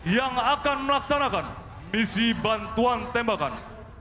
yang akan melaksanakan misi bantuan tembakan